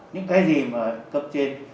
những cái gì mà cập trên